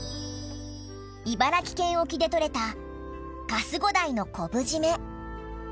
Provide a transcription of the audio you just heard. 茨城県沖で取れたカスゴダイの昆布締め